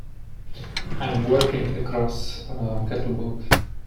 I'm working across on a cattle boat.